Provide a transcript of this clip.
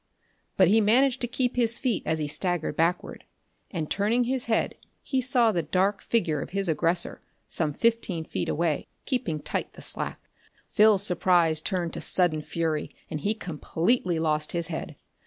But he managed to keep his feet as he staggered backward, and turning his head he saw the small dark figure of his aggressor some fifteen feet away, keeping tight the slack. Phil's surprise turned to sudden fury and he completely lost his head.